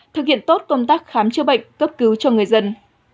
thực hiện tốt công tác khám chữa bệnh cấp cứu cho người dân